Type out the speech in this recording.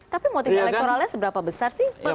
tapi motif elektoralnya seberapa besar sih